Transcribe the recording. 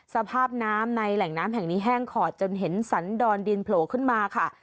สภาพน้ำในแหล่งน้ำแห่งนี้แห้งขอดจนเห็นสันดอนดินโผล่ขึ้นมาค่ะ